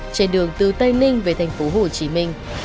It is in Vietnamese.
trên đường từ tây ninh về thành phố hồ chí minh